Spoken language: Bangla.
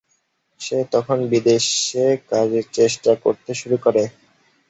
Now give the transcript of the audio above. সে তখন বিদেশে কাজের চেষ্টা করতে শুরু করে।